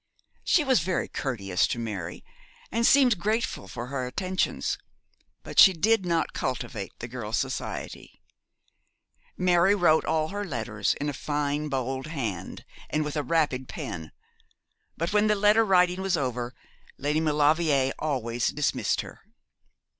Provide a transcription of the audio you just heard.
She was very courteous to Mary, and seemed grateful for her attentions; but she did not cultivate the girl's society. Mary wrote all her letters in a fine bold hand, and with a rapid pen; but when the letter writing was over Lady Maulevrier always dismissed her.